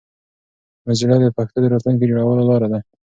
موزیلا د پښتو د راتلونکي جوړولو لاره ده.